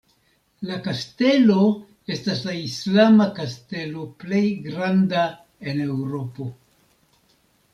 La Kastelo estas la islama kastelo plej granda en Eŭropo.